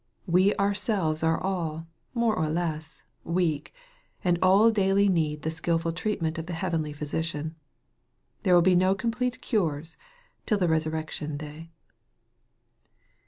We ourselves are all, more or less, weak, and all daily need the skilful treatment of the heavenly Physician. There will be no complete cures till the resurrection day.